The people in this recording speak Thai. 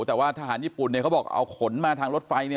แต่ว่าทหารญี่ปุ่นเนี่ยเขาบอกเอาขนมาทางรถไฟเนี่ย